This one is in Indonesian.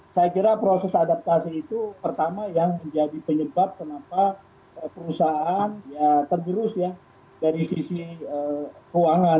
saya kira proses adaptasi itu pertama yang menjadi penyebab kenapa perusahaan ya tergerus ya dari sisi keuangan